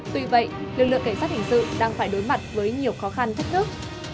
tuy vậy lực lượng cảnh sát hình sự đang phải đối mặt với nhiều khó khăn thách thức